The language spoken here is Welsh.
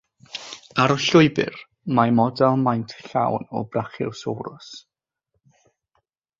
Ar y llwybr mae model maint llawn o brachiosaurus.